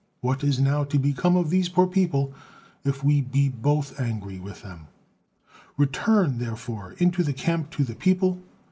What is now to become of these poor people, if we be both angry with them? Return, therefore, into the camp to the people.